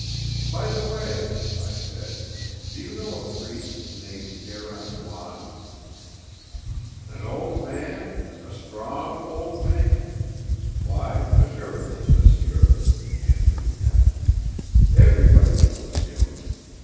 "By the way," I said, "do you know a priest named Père Antoine?" "An old man? A strong old man? Why, assuredly, monsieur," answered the captain. "Everybody knows him.